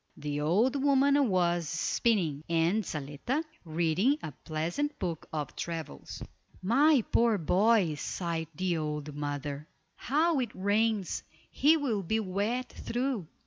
The old woman was spinning, and Zaletta reading a pleasant book of travels. "My poor boy," sighed the old mother. "How it rains; he will be wet through.